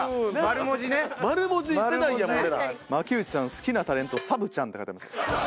「好きなタレントサブちゃん」って書いてあります。